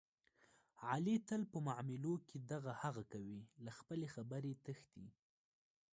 علي تل په معاملو کې دغه هغه کوي، له خپلې خبرې تښتي.